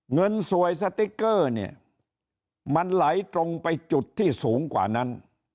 เงินสวยสติ๊กเกอร์เนี่ยมันไหลตรงไปจุดที่สูงกว่านั้น